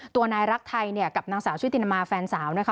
ตัวนายรักไทยเนี่ยกับนางสาวชุตินาแฟนสาวนะคะ